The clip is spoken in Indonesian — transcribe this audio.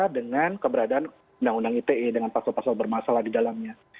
dengan keberadaan undang undang ite dengan pasal pasal bermasalah di dalamnya